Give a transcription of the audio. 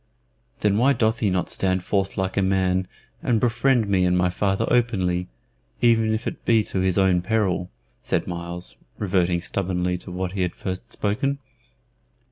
"Then why doth he not stand forth like a man and befriend me and my father openly, even if it be to his own peril?" said Myles, reverting stubbornly to what he had first spoken.